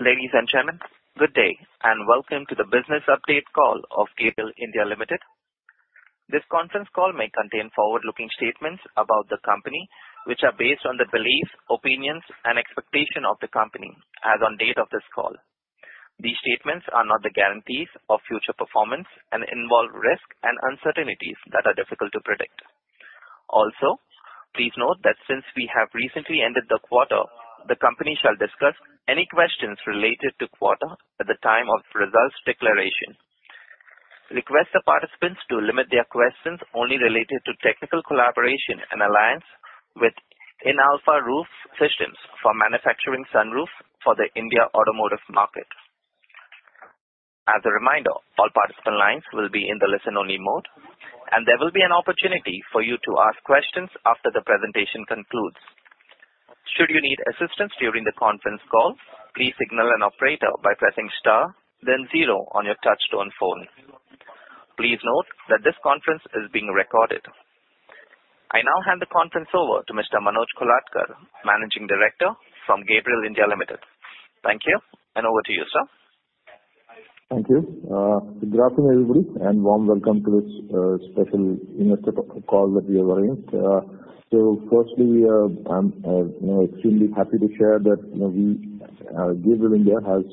Ladies and gentlemen, good day, and welcome to the business update call of Gabriel India Limited. This conference call may contain forward-looking statements about the company, which are based on the beliefs, opinions, and expectation of the company as on date of this call. These statements are not the guarantees of future performance and involve risks and uncertainties that are difficult to predict. Also, please note that since we have recently ended the quarter, the company shall discuss any questions related to quarter at the time of results declaration. Request the participants to limit their questions only related to technical collaboration and alliance with Inalfa Roof Systems for manufacturing sunroof for the Indian automotive market. As a reminder, all participant lines will be in the listen-only mode, and there will be an opportunity for you to ask questions after the presentation concludes. Should you need assistance during the conference call, please signal an operator by pressing star then zero on your touchtone phone. Please note that this conference is being recorded. I now hand the conference over to Mr. Manoj Kolhatkar, Managing Director from Gabriel India Limited. Thank you, and over to you, sir. Thank you. Good afternoon, everybody, and warm welcome to this special investor call that we have arranged. So firstly, we are, you know, extremely happy to share that, you know, we, Gabriel India has,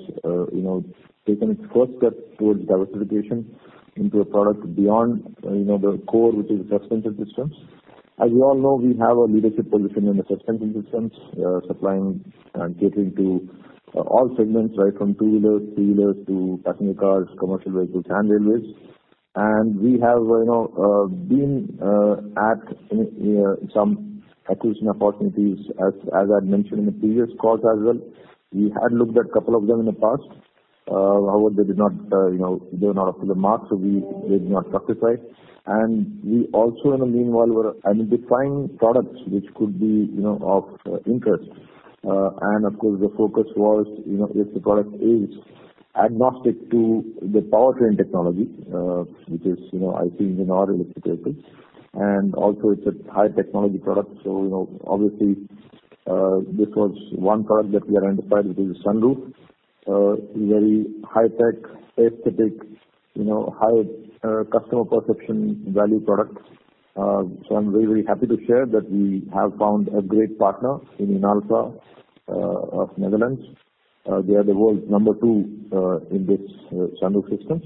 you know, taken its first step towards diversification into a product beyond, you know, the core, which is suspension systems. As you all know, we have a leadership position in the suspension systems, supplying and catering to all segments, right from two-wheelers, three-wheelers to passenger cars, commercial vehicles, and railways. We have, you know, been at some acquisition opportunities as, as I've mentioned in the previous calls as well. We had looked at a couple of them in the past, however, they did not, you know, they were not up to the mark, so they did not justify. We also in the meanwhile were identifying products which could be, you know, of interest. Of course, the focus was, you know, if the product is agnostic to the powertrain technology, which is, you know, I think in our case, and also it's a high technology product. So, you know, obviously, this was one product that we identified, which is the sunroof. Very high tech, aesthetic, you know, high customer perception, value product. So I'm very, very happy to share that we have found a great partner in Inalfa of Netherlands. They are the world's number 2 in this sunroof systems.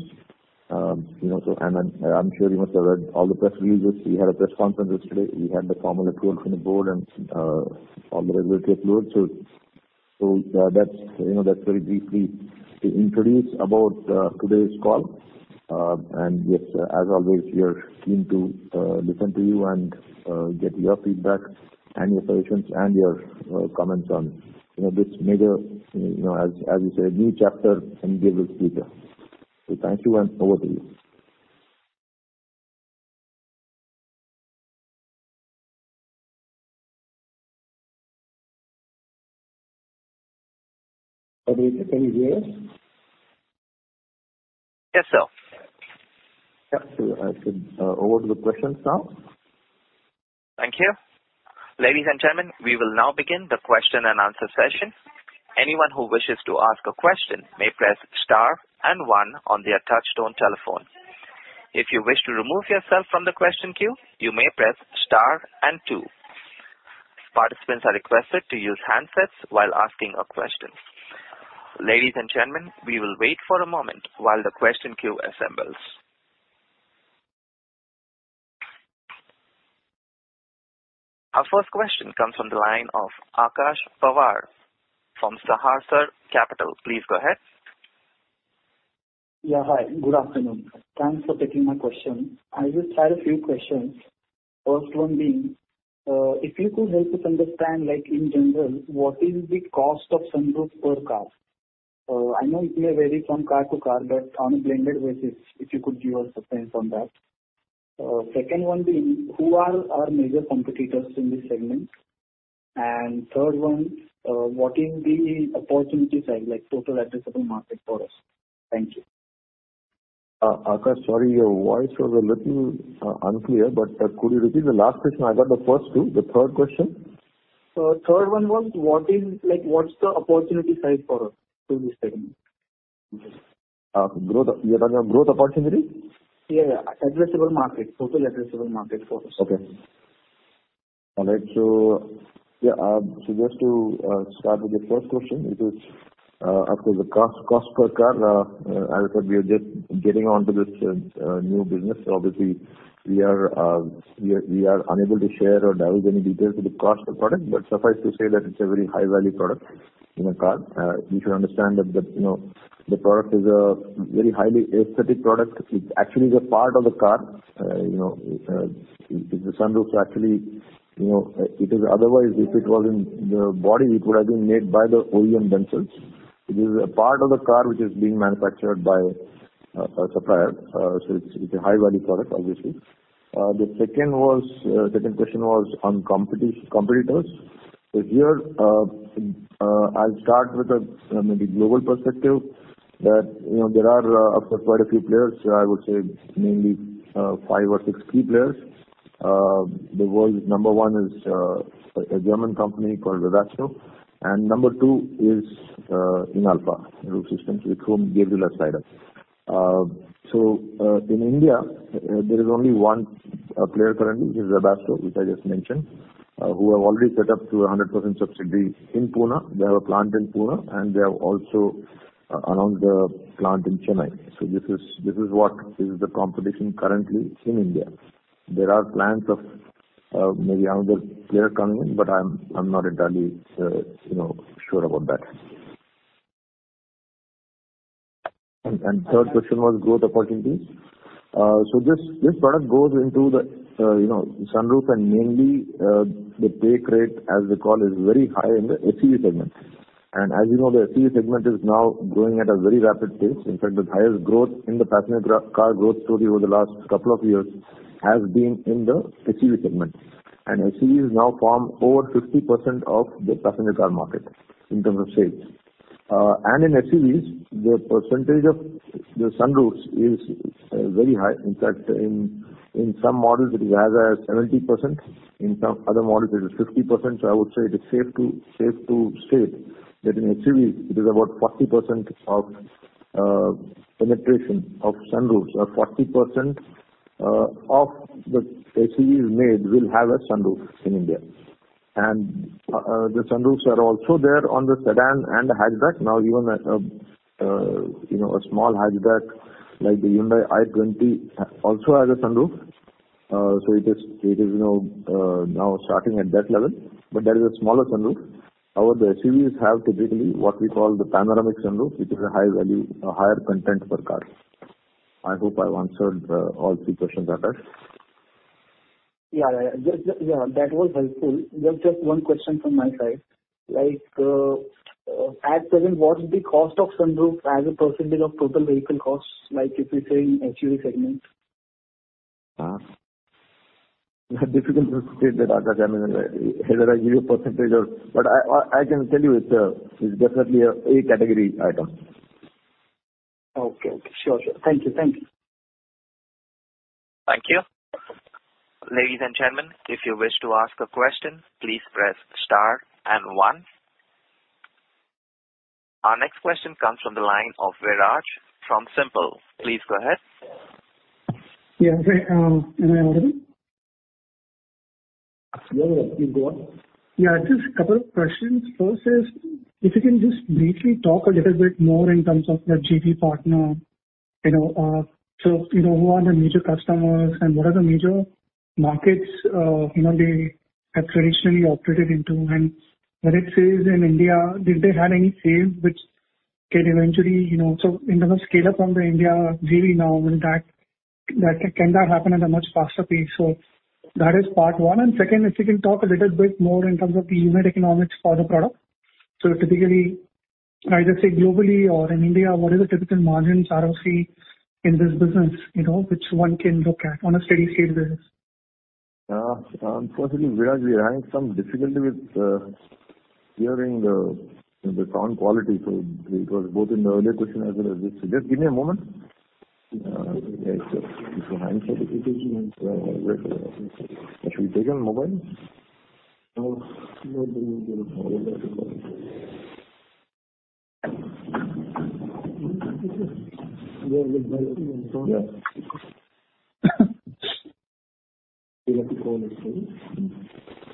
You know, so and then I'm sure you must have read all the press releases. We had a press conference yesterday. We had the formal approval from the board and all the regulatory approvals. So, that's, you know, that's very briefly to introduce about today's call. And yes, as always, we are keen to listen to you and get your feedback and your suggestions and your comments on, you know, this major, you know, as, as you said, new chapter in Gabriel's future. So thank you, and over to you. Are we hearing here? Yes, sir. Yeah. So, over to the questions now. Thank you. Ladies and gentlemen, we will now begin the question and answer session. Anyone who wishes to ask a question may press star and one on their touchtone telephone. If you wish to remove yourself from the question queue, you may press star and two. Participants are requested to use handsets while asking a question. Ladies and gentlemen, we will wait for a moment while the question queue assembles. Our first question comes from the line of Akash Pawar from Sahasrar Capital. Please, go ahead. Yeah, hi. Good afternoon. Thanks for taking my question. I just had a few questions. First one being, if you could help us understand, like in general, what is the cost of sunroof per car? I know it may vary from car to car, but on a blended basis, if you could give us a sense on that. Second one being, who are our major competitors in this segment? And third one, what is the opportunity side, like total addressable market for us? Thank you. Akash, sorry, your voice was a little unclear, but could you repeat the last question? I got the first two. The third question? Third one was, what is—like, what's the opportunity side for us in this segment? Growth. You're talking of growth opportunity? Yeah, addressable market, total addressable market for us. Okay. All right. So, yeah, so just to, start with the first question, which is, actually the cost, cost per car. As I said, we are just getting onto this, new business. So obviously we are, we are, we are unable to share or delve any details with the cost of the product, but suffice to say that it's a very high value product in a car. You should understand that the, you know, the product is a very highly aesthetic product. It actually is a part of the car. The sunroof is actually, you know, it is otherwise, if it was in the body, it would have been made by the OEM themselves. It is a part of the car which is being manufactured by a, a supplier. So it's, it's a high value product, obviously. The second question was on competitors. So here, I'll start with the maybe global perspective, that, you know, there are quite a few players. I would say mainly five or six key players. The world's number one is a German company called Webasto, and number two is Inalfa Roof Systems, with whom Gabriel is tied up. So, in India, there is only one player currently, which is Webasto, which I just mentioned, who have already set up a 100% subsidiary in Pune. They have a plant in Pune, and they have also another plant in Chennai. So this is what is the competition currently in India. There are plans of maybe another player coming in, but I'm not entirely, you know, sure about that. The third question was growth opportunities. So this product goes into the, you know, sunroof and mainly the take rate, as we call, is very high in the SUV segment. And as you know, the SUV segment is now growing at a very rapid pace. In fact, the highest growth in the passenger car growth story over the last couple of years has been in the SUV segment. And SUVs now form over 50% of the passenger car market in terms of sales. And in SUVs, the percentage of the sunroofs is very high. In fact, in some models it is as 70%, in some other models it is 50%. So I would say it is safe to state that in SUVs, it is about 40% penetration of sunroofs or 40% of the SUVs made will have a sunroof in India. The sunroofs are also there on the sedan and the hatchback. Now, even you know a small hatchback like the Hyundai i20 also has a sunroof. So it is you know now starting at that level, but that is a smaller sunroof. However, the SUVs have typically what we call the Panoramic Sunroof, which is a high value, a higher content per car. I hope I've answered all three questions about that. Yeah, yeah, that was helpful. Just, just one question from my side. Like, at present, what's the cost of sunroof as a percentage of total vehicle costs, like if you say in SUV segment? I have difficulty to state that at the time, whether I give you a percentage or... But I can tell you it's definitely a A category item. Okay. Sure, sure. Thank you. Thank you. Thank you. Ladies and gentlemen, if you wish to ask a question, please press star and one. Our next question comes from the line of Viraj from SiMPL. Please go ahead. Yeah, am I audible? Yeah, yeah. You go on. Yeah, just a couple of questions. First is, if you can just briefly talk a little bit more in terms of the JV partner, you know, so, you know, who are the major customers, and what are the major markets, you know, they have traditionally operated into? And when it says in India, did they have any sales which can eventually, you know, so in terms of scale up from the India JV now, and that, that, can that happen at a much faster pace? So that is part one. And second, if you can talk a little bit more in terms of the unit economics for the product. So typically, either say globally or in India, what is the typical margins ROC in this business, you know, which one can look at on a steady state business? Firstly, Viraj, we're having some difficulty with hearing the sound quality. So it was both in the earlier question as well as this. Just give me a moment. Should we take it on mobile? No, Viraj,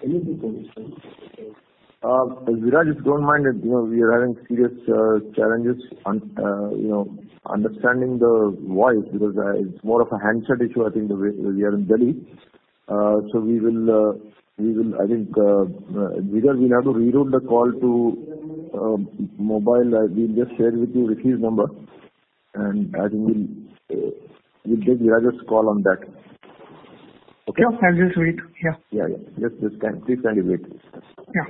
if you don't mind, you know, we are having serious challenges, you know, understanding the voice because it's more of a handset issue. I think we are in Delhi. So we will, we will, I think, Viraj, we'll have to reroute the call to mobile. We'll just share with you Rakesh's number, and I think we'll, we'll take Viraj's call on that. Okay? Sure, I'll just wait. Yeah. Yeah, yeah. Just, just kindly, please kindly wait. Yeah.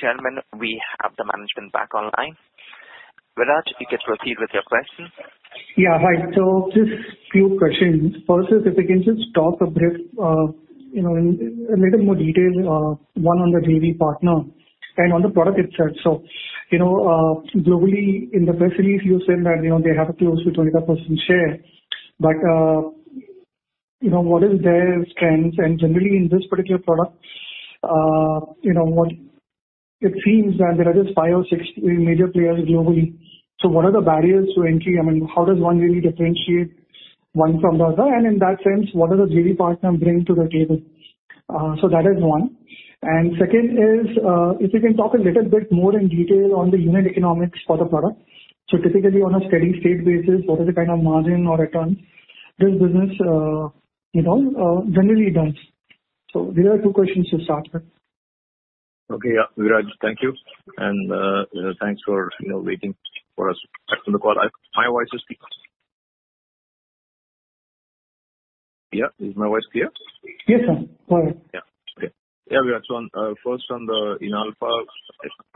Ladies and gentlemen, we have the management back online. Viraj, you can proceed with your question. Yeah, hi. So just few questions. First is, if you can just talk a bit, you know, in a little more detail, one on the JV partner and on the product itself. So, you know, globally, in the SUVs, you said that, you know, they have a close to 25% share, but, You know, what is their strengths? And generally, in this particular product, you know, what it seems that there are just five or six major players globally. So what are the barriers to entry? I mean, how does one really differentiate one from the other? And in that sense, what does a JV partner bring to the table? So that is one. And second is, if you can talk a little bit more in detail on the unit economics for the product. So typically, on a steady state basis, what is the kind of margin or return this business, you know, generally does? So these are two questions to start with. Okay, yeah, Viraj, thank you, and, thanks for, you know, waiting for us back on the call. My voice is clear? Yeah, is my voice clear? Yes, sir. Go ahead. Yeah. Okay. Yeah, Viraj, so on, first on the Inalfa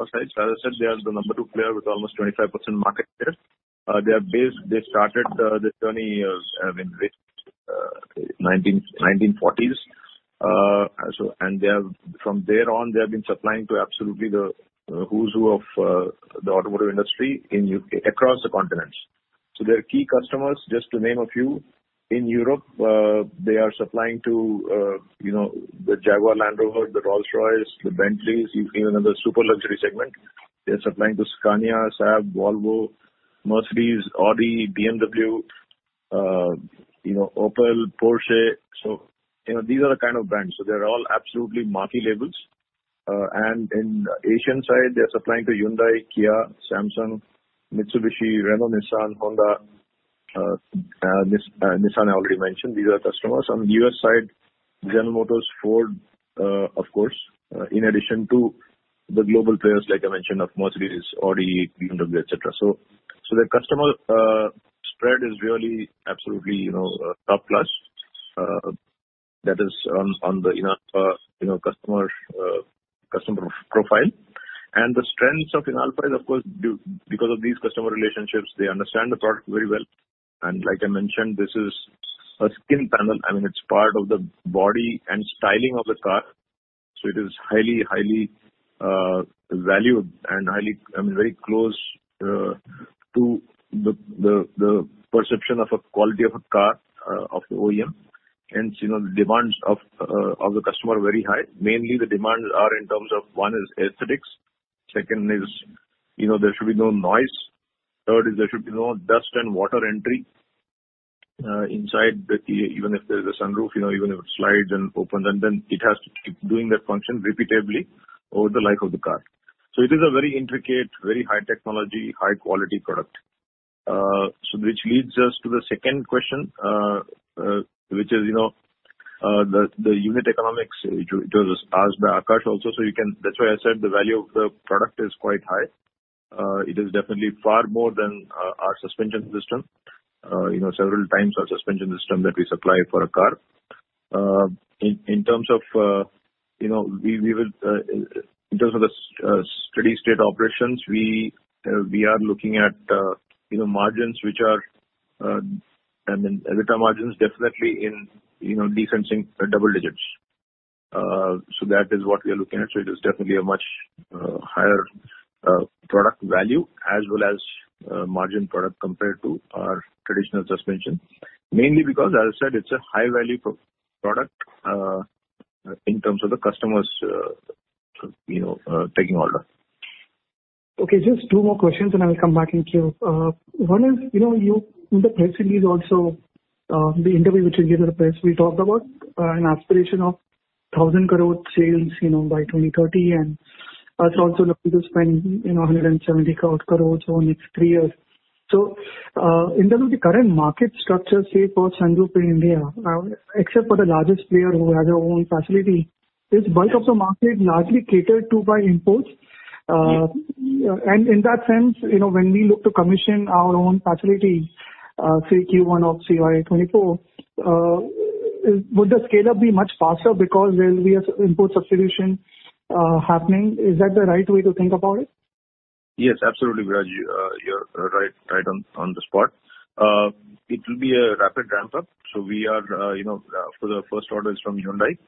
side, as I said, they are the number two player with almost 25% market share. They are based-- They started their journey, I mean, 1940s. So and they have, from there on, they have been supplying to absolutely the who's who of the automotive industry in UK, across the continents. So their key customers, just to name a few, in Europe, they are supplying to, you know, the Jaguar Land Rover, the Rolls-Royce, the Bentleys, even in the super luxury segment. They're supplying to Scania, Saab, Volvo, Mercedes, Audi, BMW, you know, Opel, Porsche. So, you know, these are the kind of brands. So they're all absolutely marquee labels. And in the Asian side, they're supplying to Hyundai, Kia, Samsung, Mitsubishi, Renault, Nissan, Honda, Nissan I already mentioned. These are customers. On the U.S. side, General Motors, Ford, of course, in addition to the global players, like I mentioned, of Mercedes, Audi, BMW, et cetera. So their customer spread is really absolutely, you know, top-class, that is on the Inalfa, you know, customer profile. And the strengths of Inalfa is, of course, due to because of these customer relationships, they understand the product very well. And like I mentioned, this is a skin panel. I mean, it's part of the body and styling of the car, so it is highly, highly valued and highly, I mean, very close to the perception of a quality of a car of the OEM. You know, the demands of the customer are very high. Mainly, the demands are in terms of, one is aesthetics, second is, you know, there should be no noise, third is there should no dust and water entry, inside the... Even if there is a sunroof, you know, even if it slides and opens, and then it has to keep doing that function repeatably over the life of the car. So it is a very intricate, very high technology, high quality product. So which leads us to the second question, which is, you know, the unit economics, it was asked by Akash also. So you can-- That's why I said the value of the product is quite high. It is definitely far more than our suspension system, you know, several times our suspension system that we supply for a car. In terms of steady state operations, we are looking at, you know, margins which are, I mean, EBITDA margins definitely in, you know, decent double digits. So that is what we are looking at. So it is definitely a much higher product value as well as margin product compared to our traditional suspension. Mainly because, as I said, it's a high-value product in terms of the customers, you know, take rate. Okay, just two more questions, and I will come back into you. One is, you know, you in the press release also, the interview which you gave to the press, we talked about, an aspiration of 1,000 crore sales, you know, by 2030, and also looking to spend, you know, 170 crore over the next three years. So, in terms of the current market structure, say, for sunroof in India, except for the largest player who has their own facility, is bulk of the market largely catered to by imports? And in that sense, you know, when we look to commission our own facility, say Q1 of CY 2024, would the scale-up be much faster because we have import substitution happening? Is that the right way to think about it? Yes, absolutely, Viraj. You're right, right on, on the spot. It will be a rapid ramp-up. So we are, you know, for the first order is from Hyundai,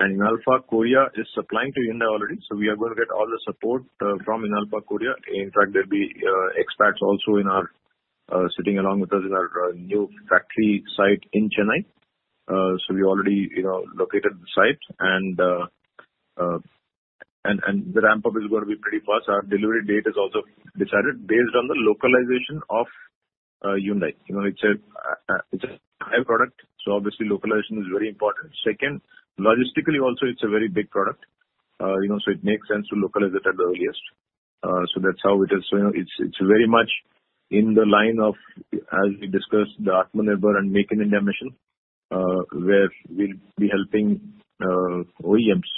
and Inalfa Korea is supplying to Hyundai already, so we are going to get all the support, from Inalfa Korea. In fact, there'll be, expats also in our, sitting along with us in our, new factory site in Chennai. So we already, you know, located the site and, and the ramp-up is going to be pretty fast. Our delivery date is also decided based on the localization of Hyundai. You know, it's a, it's a high product, so obviously localization is very important. Second, logistically also, it's a very big product, you know, so it makes sense to localize it at the earliest. So that's how it is. So, you know, it's, it's very much in the line of, as we discussed, the Atmanirbhar and Make in India mission, where we'll be helping, OEMs,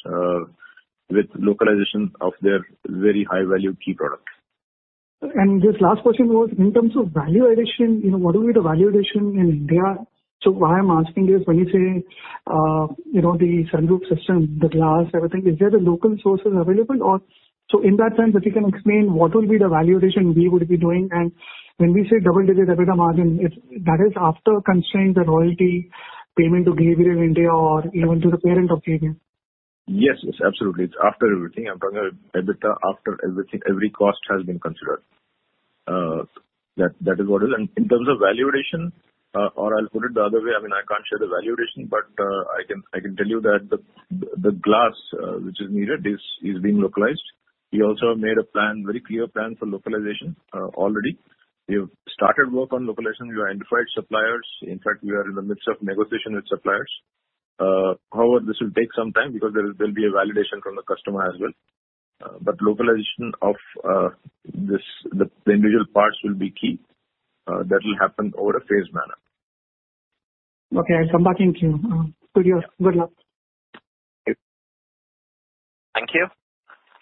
with localization of their very high-value key products. This last question was in terms of value addition, you know, what will be the value addition in India? So why I'm asking is when you say, you know, the sunroof system, the glass, everything, is there the local sources available or... So in that sense, if you can explain what will be the value addition we would be doing? And when we say double-digit EBITDA margin, it's, that is after considering the royalty payment to JVR India or even to the parent of JVR? Yes, yes, absolutely. It's after everything. I'm talking about EBITDA, after everything, every cost has been considered. That, that is what it is. And in terms of valuation, or I'll put it the other way, I mean, I can't share the valuation, but I can tell you that the glass which is needed is being localized. We also have made a plan, very clear plan for localization, already. We have started work on localization. We identified suppliers. In fact, we are in the midst of negotiation with suppliers. However, this will take some time because there will be a validation from the customer as well. But localization of this, the individual parts will be key. That will happen over a phased manner. Okay, I come back into you. Good year. Good luck. Thank you.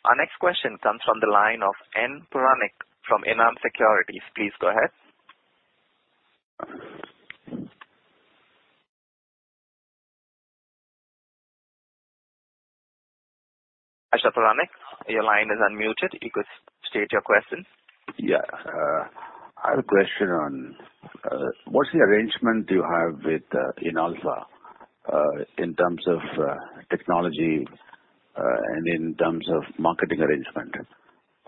Our next question comes from the line of N. Puranik from Enam Securities. Please go ahead. Mr. Puranik, your line is unmuted. You could state your question. Yeah. I have a question on what's the arrangement you have with Inalfa in terms of technology and in terms of marketing arrangement?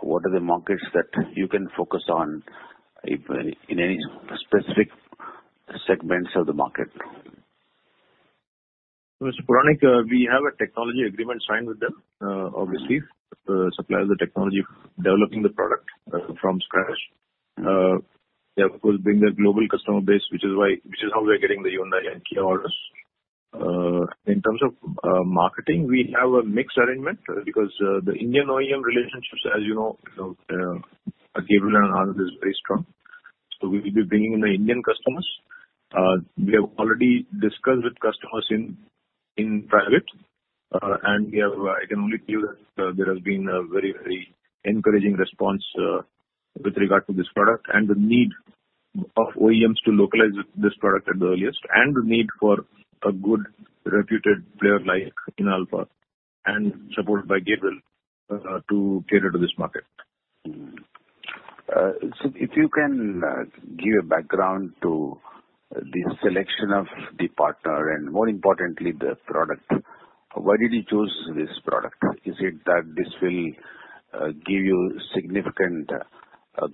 What are the markets that you can focus on if any in any specific segments of the market? Mr. Puranik, we have a technology agreement signed with them. Obviously, supply the technology, developing the product, from scratch. They, of course, bring their global customer base, which is why, which is how we are getting the Hyundai and Kia orders. In terms of marketing, we have a mixed arrangement because the Indian OEM relationships, as you know, you know, Gabriel and Anand is very strong. So we will be bringing in the Indian customers. We have already discussed with customers in private, and I can only tell you that there has been a very, very encouraging response with regard to this product and the need of OEMs to localize this product at the earliest, and the need for a good reputed player like Inalfa and supported by Gabriel to cater to this market. So if you can give a background to the selection of the partner and more importantly, the product, why did you choose this product? Is it that this will give you significant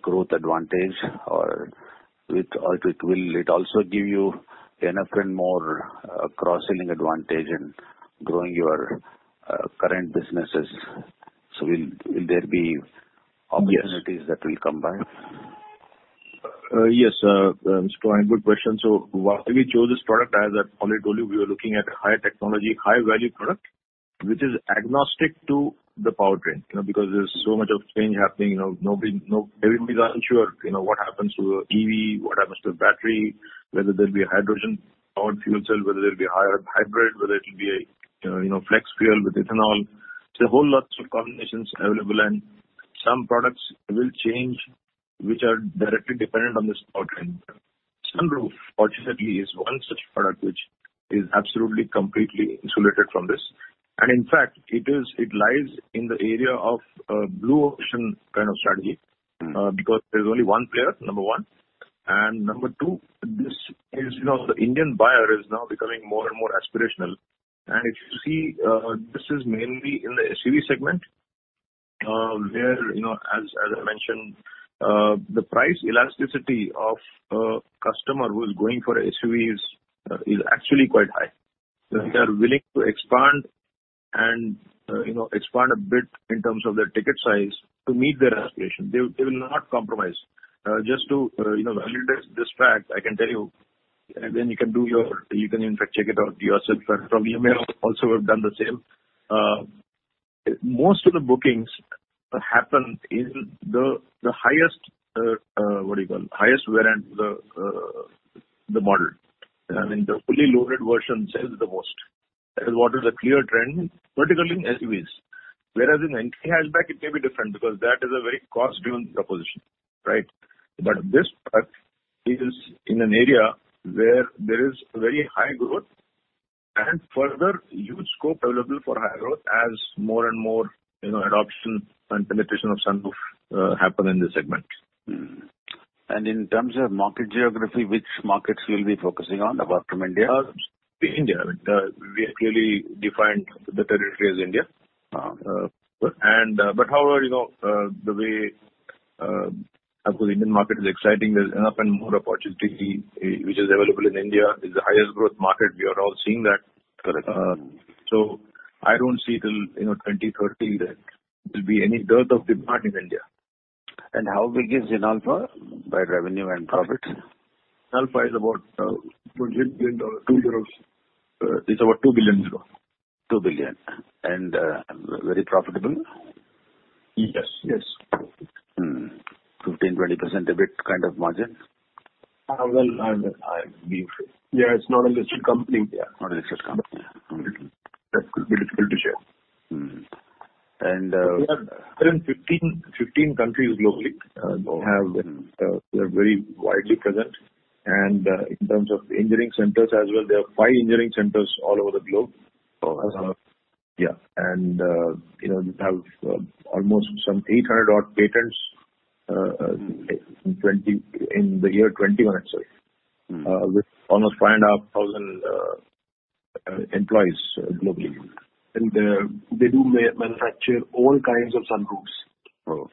growth advantage, or it, or it will it also give you enough and more cross-selling advantage in growing your current businesses? So will, will there be- Yes. opportunities that will come by? Yes, good question. So why we chose this product, as I already told you, we are looking at higher technology, high value product, which is agnostic to the powertrain, you know, because there's so much of change happening, you know, everybody is unsure, you know, what happens to EV, what happens to battery, whether there'll be a hydrogen or fuel cell, whether there'll be a higher hybrid, whether it will be a, you know, flex fuel with ethanol. So a whole lots of combinations available and some products will change, which are directly dependent on the powertrain. Sunroof, fortunately, is one such product which is absolutely completely insulated from this. And in fact, it lies in the area of blue ocean kind of strategy. Mm-hmm. Because there's only one player, number 1, and number 2, this is, you know, the Indian buyer is now becoming more and more aspirational. And if you see, this is mainly in the SUV segment, where, you know, as I mentioned, the price elasticity of a customer who is going for a SUV is actually quite high. Mm-hmm. They are willing to expand and, you know, expand a bit in terms of their ticket size to meet their aspiration. They will not compromise. Just to, you know, validate this fact, I can tell you, and then you can do your... You can in fact check it out yourself, but you may also have done the same. Most of the bookings happen in the highest, what do you call, highest variant, the model. I mean, the fully loaded version sells the most. That is what is a clear trend, particularly in SUVs. Whereas in entry hatchback, it may be different because that is a very cost-driven proposition, right? But this part is in an area where there is very high growth and further huge scope available for high growth as more and more, you know, adoption and penetration of sunroof happen in this segment. Mm-hmm. In terms of market geography, which markets you will be focusing on apart from India? India. We have clearly defined the territory as India. But however, you know, the way, of course, the Indian market is exciting. There's enough and more opportunity, which is available in India, is the highest growth market. We are all seeing that. Correct. So, I don't see till 2030, you know, there will be any dearth of demand in India. How big is Inalfa by revenue and profit? Inalfa is about EUR 2 billion. It's about 2 billion euros. 2 billion. And, very profitable? Yes, yes. 15%-20% EBIT kind of margin? Well, yes, it's not a listed company. Yeah. Not a listed company. Mm-hmm. That could be difficult to share. Mm. And, We are in 15 countries globally. Oh, mm. We have, we are very widely present, and in terms of engineering centers as well, there are five engineering centers all over the globe. Oh, okay. Yeah, and you know, we have almost some 800 odd patents. Mm. in 2020, in the year 2021, sorry. Mm. With almost 5,500 employees globally, and they do manufacture all kinds of sunroofs. Oh.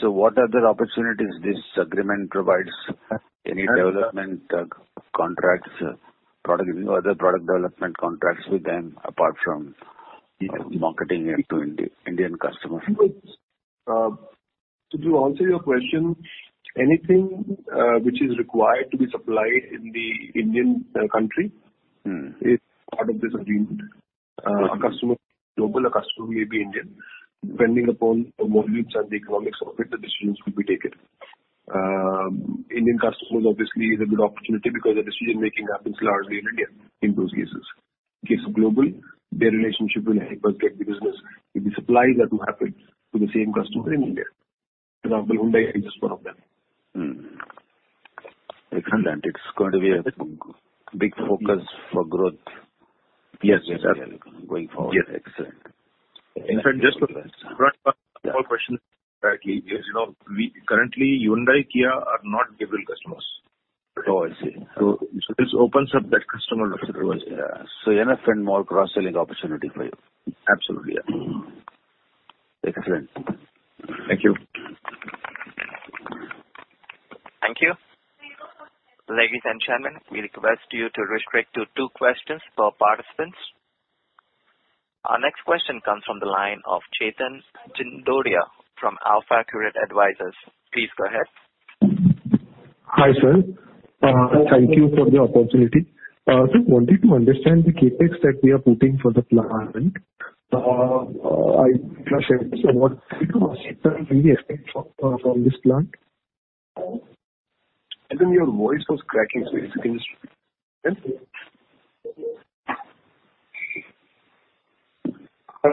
So what other opportunities this agreement provides? Any development contracts, product, other product development contracts with them, apart from marketing it to Indian customers? To answer your question, anything which is required to be supplied in the Indian country- Mm. -is part of this agreement. A customer, global customer may be Indian. Depending upon the volumes and the economics of it, the decisions will be taken. Indian customers obviously is a good opportunity because the decision-making happens largely in India in those cases. In case of global, their relationship will help us get the business, if the supplies are to happen to the same customer in India. For example, Hyundai is just one of them. Mm. Excellent. It's going to be a big focus for growth- Yes. -going forward. Yes. Excellent. In fact, just to follow up question, actually, you know, we currently, Hyundai, Kia, are not Gabriel customers. Oh, I see. So this opens up that customer. Yeah. So you're going to find more cross-selling opportunity for you. Absolutely, yeah. Mm. Excellent. Thank you. Thank you. Ladies and gentlemen, we request you to restrict to two questions per participants. Our next question comes from the line of Chetan Gindodia from AlfAccurate Advisors. Please go ahead. Hi, sir. Thank you for the opportunity. Just wanted to understand the CapEx that we are putting for the plant. I just want to know, what can we expect from, from this plant? Chetan, your voice was cracking, so if you can... Yes. Sir,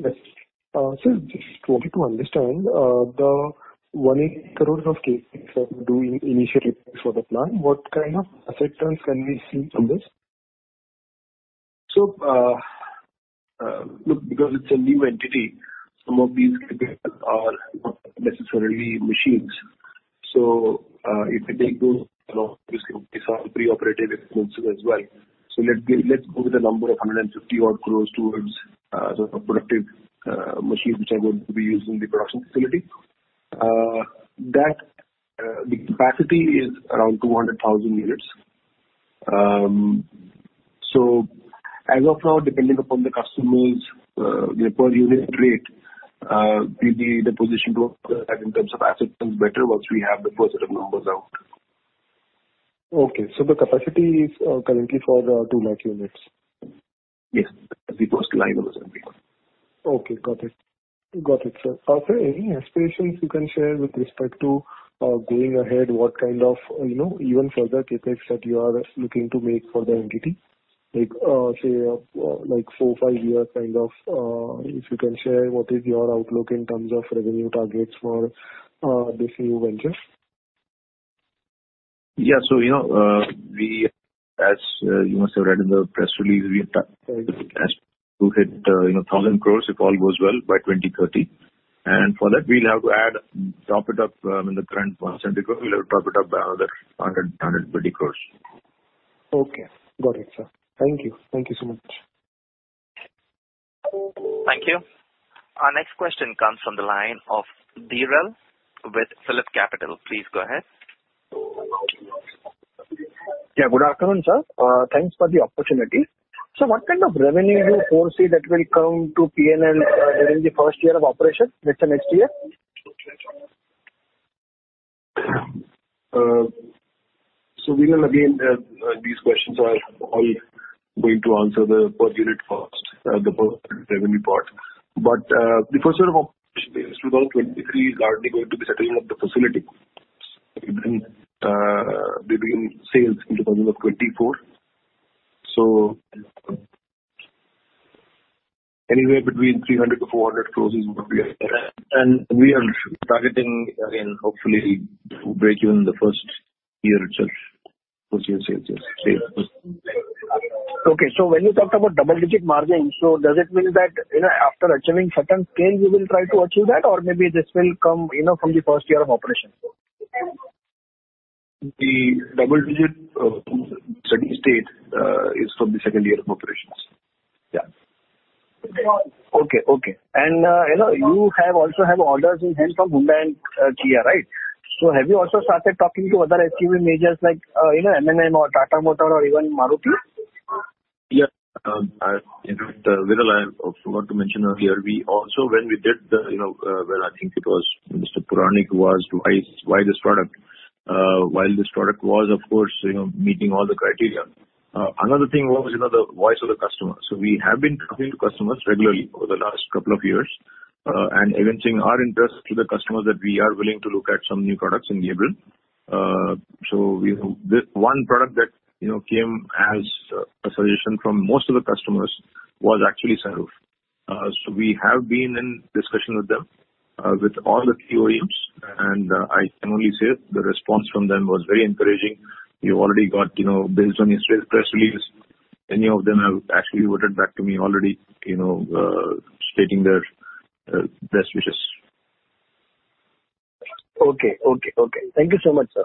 just wanted to understand, the 1 acre of CapEx that we're doing initially for the plant, what kind of acceptance can we see from this? Look, because it's a new entity, some of these CapEx are not necessarily machines. If you take those, you know, these are pre-operative expenses as well. Let's get, let's go with the number of 150 odd crores towards the productive machines which are going to be used in the production facility. That, the capacity is around 200,000 units. So as of now, depending upon the customers, the per unit rate, we'll be in a position to add in terms of assets and better once we have the first set of numbers out. Okay. So the capacity is currently for 200,000 units? Yes, the first line was only. Okay, got it. Got it, sir. Are there any aspirations you can share with respect to, going ahead, what kind of, you know, even further CapEx that you are looking to make for the entity? Like, say, like 4-5-year kind of, if you can share, what is your outlook in terms of revenue targets for, this new venture? Yeah. So, you know, we as, you must have read in the press release, we have to hit, you know, 1,000 crore, if all goes well, by 2030. And for that, we'll have to add, top it up, in the current percent, because we'll have to top it up by another 100 crore-150 crore. Okay. Got it, sir. Thank you. Thank you so much. Thank you. Our next question comes from the line of Dhruval with Phillip Capital. Please go ahead. Yeah, good afternoon, sir. Thanks for the opportunity. What kind of revenue do you foresee that will come to PNL during the first year of operation, let's say next year? We will again, these questions are all going to answer the per unit first, the per revenue part. But, the first year of operation, 2023, is largely going to be settling of the facility. We begin sales in 2024. Anywhere between 300-400 crores is what we are saying. We are targeting, again, hopefully to break even in the first year itself, once we have sales. Yes. Okay. So when you talked about double-digit margins, so does it mean that, you know, after achieving certain scale, you will try to achieve that, or maybe this will come, you know, from the first year of operation? The double-digit steady state is from the second year of operations. Yeah. Okay, okay. And, you know, you have also have orders in hand from Hyundai and, Kia, right? So have you also started talking to other SUV majors like, you know, M&M or Tata Motors or even Maruti? Yeah. In fact, Durel, I forgot to mention earlier, we also, you know, well, I think it was Mr. Puranic, who asked, "Why, why this product?" While this product was, of course, you know, meeting all the criteria, another thing was, you know, the voice of the customer. So we have been talking to customers regularly over the last couple of years, and mentioning our interest to the customers that we are willing to look at some new products in Gabriel. So we know this one product that, you know, came as a suggestion from most of the customers was actually sunroof. So we have been in discussion with them, with all the key OEMs, and I can only say the response from them was very encouraging. We already got, you know, based on the press releases, many of them have actually written back to me already, you know, stating their best wishes. Okay, okay, okay. Thank you so much, sir.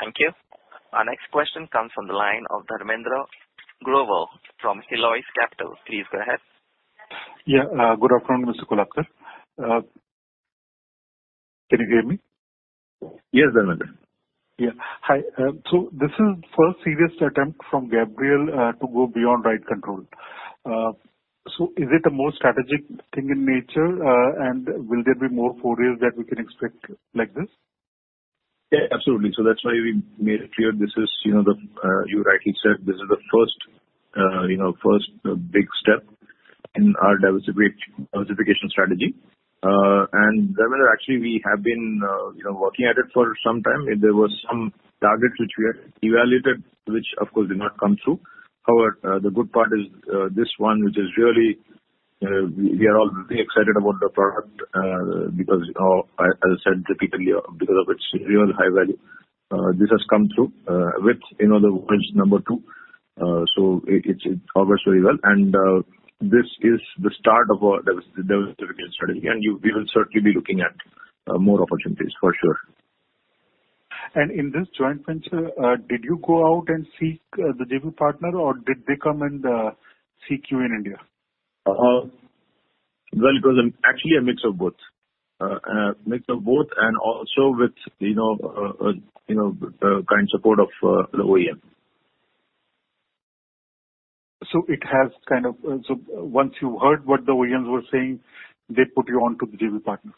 Thank you. Our next question comes from the line of Dharmendra Global from Helios Capital. Please go ahead. Yeah, good afternoon, Mr. Kolhatkar. Can you hear me? Yes, Dharmendra. Yeah. Hi. So this is first serious attempt from Gabriel to go beyond ride control. So is it a more strategic thing in nature, and will there be more forays that we can expect like this? Yeah, absolutely. So that's why we made it clear this is, you know, the, you rightly said, this is the first, you know, first big step in our diversification strategy. And Dharmendra, actually, we have been, you know, working at it for some time, and there were some targets which we had evaluated, which of course, did not come through. However, the good part is, this one, which is really, we are all very excited about the product, because of, as I said repeatedly, because of its real high value. This has come through, with, you know, the world's number two. So it, it covers very well and, this is the start of our diversification strategy, and we will certainly be looking at, more opportunities for sure. In this joint venture, did you go out and seek the JV partner, or did they come and seek you in India? Well, it was actually a mix of both. A mix of both and also with, you know, you know, the kind support of the OEM. So once you heard what the OEMs were saying, they put you on to the JV partner?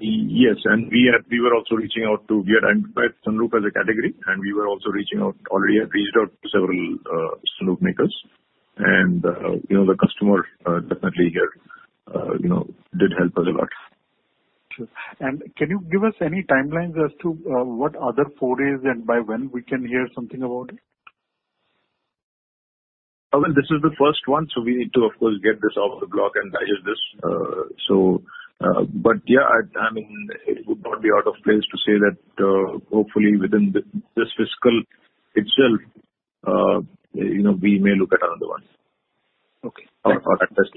Yes, and we are, we were also reaching out to... We had identified sunroof as a category, and we were also reaching out. Already had reached out to several sunroof makers. And, you know, the customer definitely here, you know, did help us a lot. Sure. Can you give us any timelines as to what other forays and by when we can hear something about it? Well, this is the first one, so we need to, of course, get this off the block and digest this. But yeah, I mean, it would not be out of place to say that, hopefully within this fiscal itself, you know, we may look at another one. Okay. Or at best.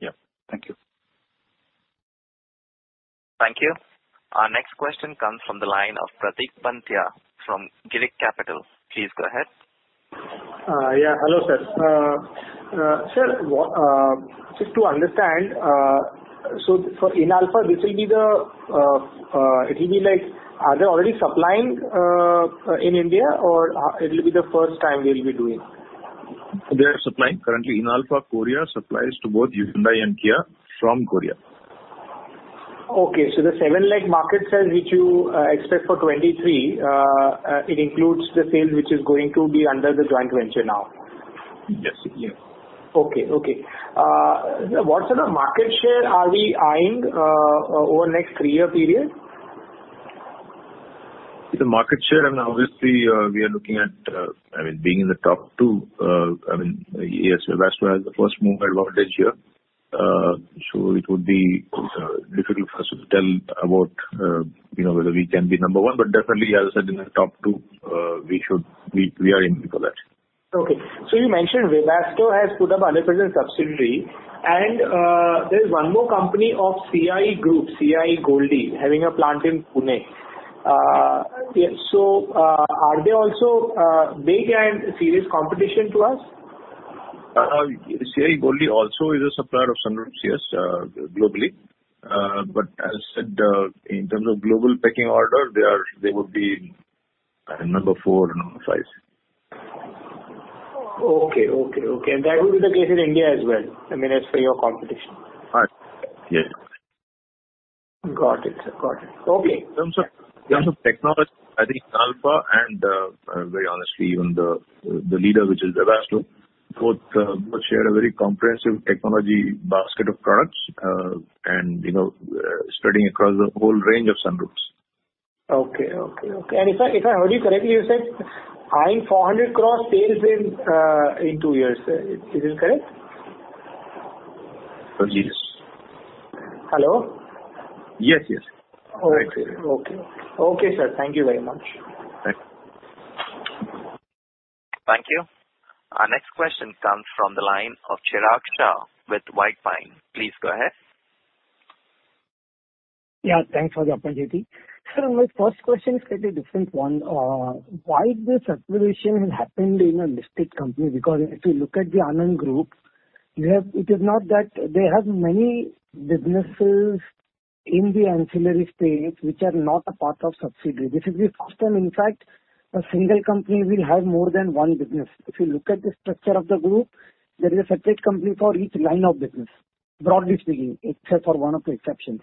Yeah. Thank you. Thank you. Our next question comes from the line of Pratik Pandya from Girik Capital. Please go ahead. Yeah. Hello, sir. Sir, what, just to understand, so for Inalfa, this will be the, it will be like, are they already supplying in India or it will be the first time they'll be doing it? They are supplying. Currently, Inalfa Korea supplies to both Hyundai and Kia from Korea. Okay, so the 7% market share, which you expect for 2023, it includes the sales, which is going to be under the joint venture now? Yes. Yeah. Okay. Okay. What sort of market share are we eyeing over the next three-year period? The market share and obviously, we are looking at, I mean, being in the top two, I mean, yes, Webasto has the first mover advantage here. So it would be difficult for us to tell about, you know, whether we can be number one, but definitely, as I said, in the top two, we should be... We are in for that. Okay. So you mentioned Webasto has put up 100% subsidiary, and there is one more company of CIE Group, CIE Autoliv, having a plant in Pune. So, are they also big and serious competition to us? CIE Automotive also is a supplier of sunroofs, yes, globally. But as I said, in terms of global pecking order, they would be number 4, number 5. Okay, okay, okay. And that will be the case in India as well, I mean, as for your competition? Uh, yes. Got it. Got it. Okay. In terms of, in terms of technology, I think Inalfa and, very honestly, even the, the leader, which is Webasto, both, both share a very comprehensive technology basket of products, and, you know, spreading across the whole range of sunroofs. Okay, okay, okay. And if I, if I heard you correctly, you said, eyeing 400 cross sales in, in 2 years. Is this correct? Uh, yes. Hello? Yes, yes. Okay. Okay. Okay, sir. Thank you very much. Thank you. Thank you. Our next question comes from the line of Chirag Shah with White Pine. Please go ahead. Yeah, thanks for the opportunity. Sir, my first question is slightly different one. Why this acquisition has happened in a listed company? Because if you look at the Anand Group, it is not that they have many businesses in the ancillary space, which are not a part of subsidiary. This is the first time, in fact, a single company will have more than one business. If you look at the structure of the group, there is a separate company for each line of business, broadly speaking, except for one or two exceptions.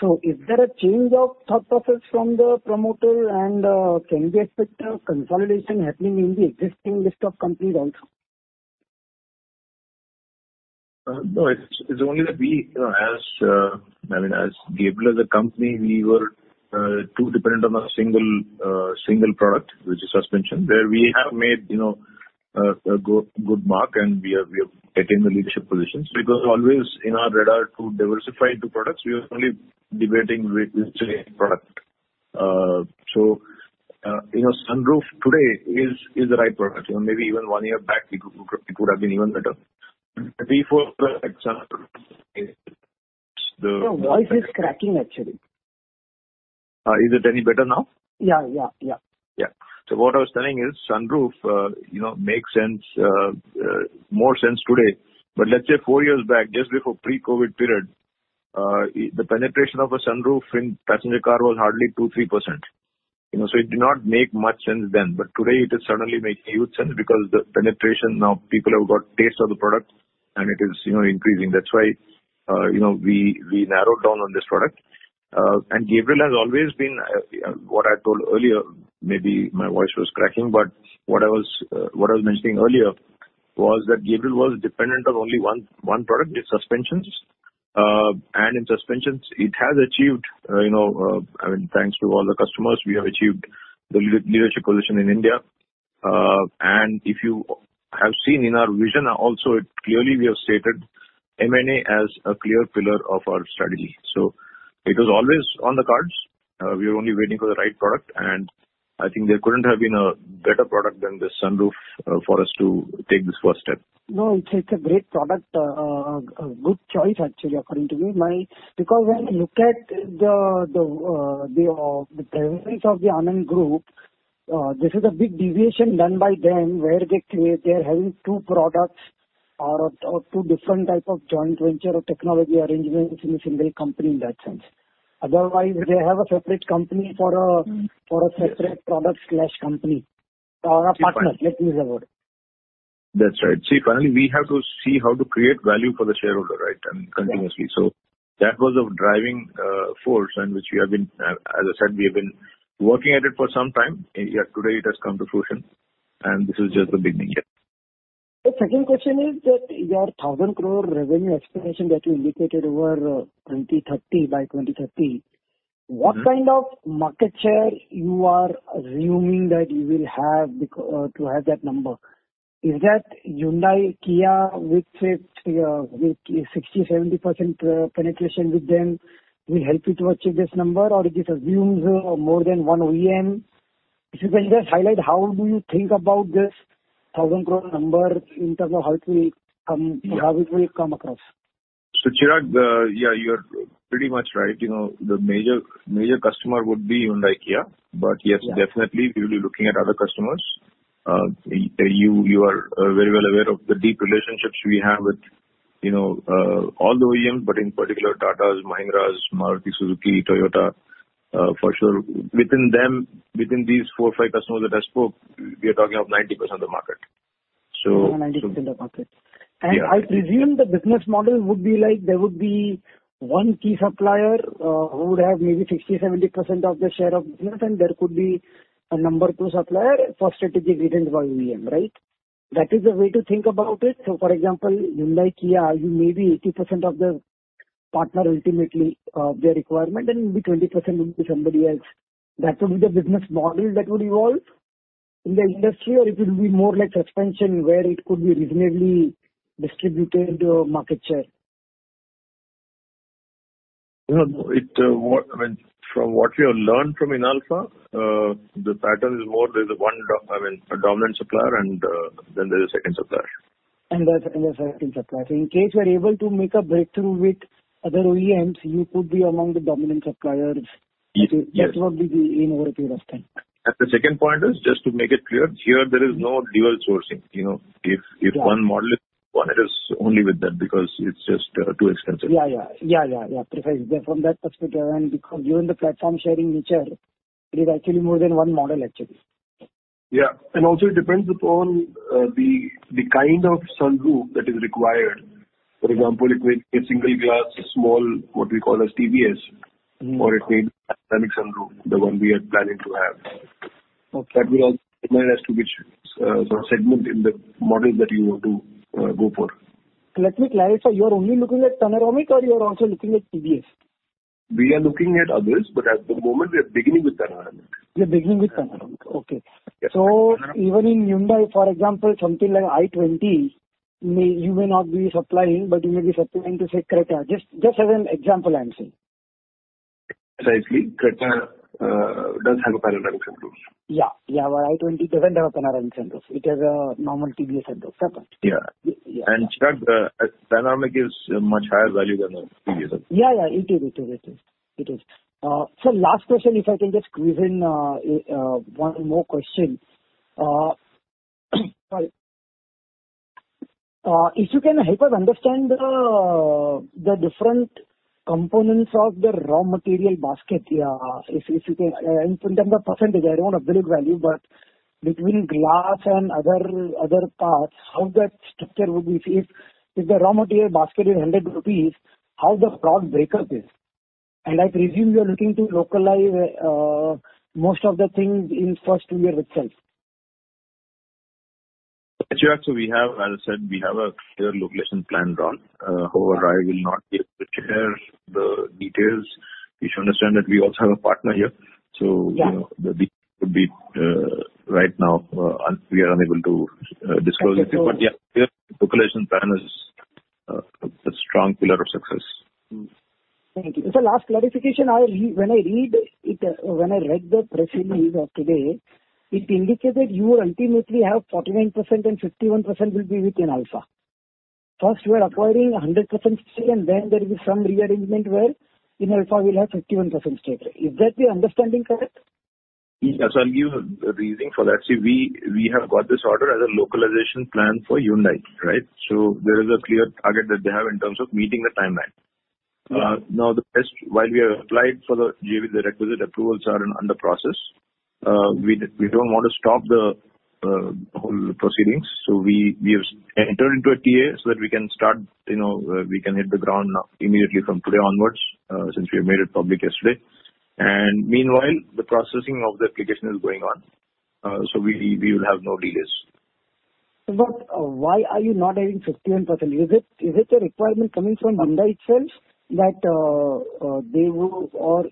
So is there a change of thought process from the promoter and, can we expect a consolidation happening in the existing list of companies also? No, it's only that we, you know, as I mean, as Gabriel as a company, we were too dependent on a single product, which is suspension, where we have made, you know, a good mark, and we have attained the leadership positions, because always in our radar to diversify the products, we are only debating which product. So, you know, sunroof today is the right product. You know, maybe even one year back, it would have been even better. Before Your voice is cracking, actually. Is it any better now? Yeah, yeah, yeah. Yeah. So what I was telling is sunroof, you know, makes sense, more sense today, but let's say 4 years back, just before pre-COVID period, the penetration of a sunroof in passenger car was hardly 2%-3%. You know, so it did not make much sense then, but today it is suddenly making huge sense because the penetration now, people have got taste of the product and it is, you know, increasing. That's why, you know, we narrowed down on this product. And Gabriel has always been... What I told earlier, maybe my voice was cracking, but what I was mentioning earlier, was that Gabriel was dependent on only one product, its suspensions. In suspensions, it has achieved, you know, I mean, thanks to all the customers, we have achieved the leadership position in India. If you have seen in our vision also, clearly we have stated M&A as a clear pillar of our strategy. It was always on the cards. We were only waiting for the right product, and I think there couldn't have been a better product than the sunroof for us to take this first step. No, it's a great product. A good choice actually, according to me. Because when you look at the presence of the Anand Group, this is a big deviation done by them, where they create. They are having two products or two different type of joint venture or technology arrangements in a single company, in that sense. Otherwise, they have a separate company for a separate product/company or a partner. Let's use the word. That's right. See, finally, we have to see how to create value for the shareholder, right, and continuously. Yeah. So that was a driving force in which we have been, as I said, we have been working at it for some time, and yet today it has come to fruition, and this is just the beginning, yeah. The second question is that your 1,000 crore revenue estimation that you indicated over 2030, by 2030- Mm-hmm. What kind of market share you are assuming that you will have because to have that number? Is that Hyundai, Kia, with 60%-70% penetration with them, will help you to achieve this number, or it assumes more than one OEM? If you can just highlight, how do you think about this 1,000 crore number in terms of how it will come, how it will come across? So, Chirag, yeah, you're pretty much right. You know, the major, major customer would be Hyundai, Kia. Yeah. But yes, definitely, we will be looking at other customers. You are very well aware of the deep relationships we have with, you know, all the OEMs, but in particular, Tatas, Mahindras, Maruti Suzuki, Toyota, for sure. Within them, within these four, five customers that I spoke, we are talking of 90% of the market. So- 90% of the market. Yeah. I presume the business model would be like, there would be one key supplier who would have maybe 60, 70% of the share of business, and there could be a number two supplier for strategic reasons by OEM, right? That is the way to think about it. So for example, Hyundai, Kia, you may be 80% of the partner ultimately their requirement, and maybe 20% will be somebody else. That would be the business model that would evolve in the industry, or it will be more like suspension, where it could be reasonably distributed market share? No, no. I mean, from what we have learned from Inalfa, the pattern is more there's one, I mean, a dominant supplier, and then there's a second supplier. The second supplier. So in case you are able to make a breakthrough with other OEMs, you could be among the dominant suppliers. Yes. That would be in over a period of time. The second point is, just to make it clear, here there is no dual sourcing. You know, if- Yeah. If one model is won, it is only with them, because it's just too expensive. Yeah, yeah. Yeah, yeah, yeah. Precisely. From that perspective, and because given the platform sharing nature, it is actually more than one model, actually. Yeah. And also, it depends upon the kind of sunroof that is required. For example, it may be a single glass, small, what we call as TVS- Mm-hmm. —or it may be Panoramic Sunroof, the one we are planning to have. Okay. That will all depend as to which sort of segment in the model that you want to go for. Let me clarify. You are only looking at panoramic or you are also looking at TVS? We are looking at others, but at the moment we are beginning with panoramic. You're beginning with panoramic. Okay. Yeah, panoramic- So even in Hyundai, for example, something like i20, you may not be supplying, but you may be supplying to, say, Creta. Just, just as an example, I'm saying. Precisely. Creta does have Panoramic Sunroof. Yeah, yeah. But i20 doesn't have a Panoramic Sunroof. It has a normal TBS sunroof. Okay. Yeah. Yeah. Chirag, panoramic is a much higher value than the TBS. Yeah, yeah, it is, it is, it is. So last question, if I can just squeeze in one more question. Sorry. If you can help us understand the different components of the raw material basket, yeah. If you can, in terms of percentage, I don't want absolute value, but between glass and other parts, how that structure would be? If the raw material basket is 100 rupees, how the cost breakup is? And I presume you are looking to localize most of the things in first two years itself. Actually, we have, as I said, we have a clear location planned on, however, I will not be able to share the details. Please understand that we also have a partner here, so- Yeah. You know, that it could be right now we are unable to disclose it. I see. But yeah, clear localization plan is a strong pillar of success. Thank you. So last clarification, when I read the press release of today, it indicated you ultimately have 49% and 51% will be with Inalfa. First, you are acquiring a 100% stake, and then there is some rearrangement where Inalfa will have 51% stake. Is that the understanding correct? Yes. I'll give the reasoning for that. See, we have got this order as a localization plan for Hyundai, right? There is a clear target that they have in terms of meeting the timeline. Okay. Now, the best, while we have applied for the JV, the requisite approvals are under process. We don't want to stop the whole proceedings, so we have entered into a TA so that we can start, you know, we can hit the ground now immediately from today onwards, since we have made it public yesterday. Meanwhile, the processing of the application is going on. So we will have no delays. But, why are you not having 51%? Is it, is it a requirement coming from Hyundai itself that, they will or-